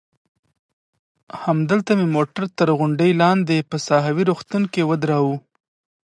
همدلته مې موټر تر غونډۍ لاندې په ساحوي روغتون کې ودراوه.